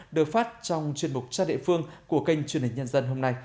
được phát trong chuyên mục trang địa phương của kênh truyền hình nhân dân hôm nay